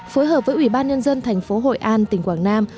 phối hợp với ủy ban nhân dân thành phố hội an tỉnh quảng nam